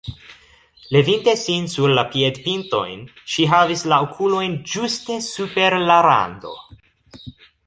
Levinte sin sur la piedpintojn, ŝi havis la okulojn ĝuste super la rando.